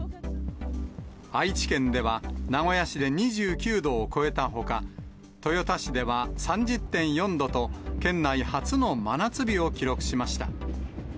愛知県では、名古屋市で２９度を超えたほか、豊田市では３０．４度と県内初の真夏日を記録しました。